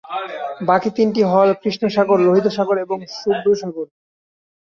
বাকি তিনটি হল কৃষ্ণ সাগর, লোহিত সাগর এবং শুভ্র সাগর।